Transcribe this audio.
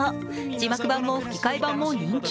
字幕版も吹き替え版も人気。